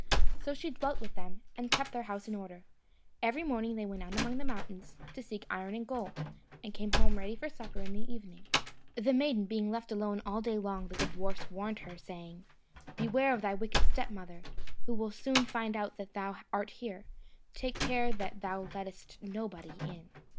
So she dwelt with them, and kept their house in order. Every morning they went out among the mountains, to seek iron and gold, and came home ready for supper in the evening. The maiden being left alone all day long, the good dwarfs warned her, saying, "Beware of thy wicked stepmother, who will soon find out that thou art here; take care that thou lettest nobody in."